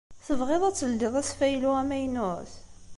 Tebɣiḍ ad teldiḍ asfaylu amaynut?